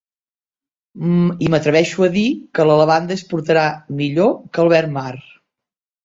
I m'atreveixo a dir que la lavanda es portarà millor que el verd mar.